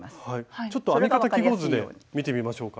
ちょっと編み方記号図で見てみましょうか。